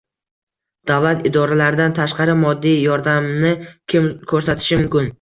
Davlat idoralaridan tashqari moddiy yordamni kim ko‘rsatishi mumkin?